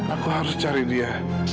aku harus cari dia